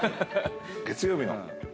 月曜日の。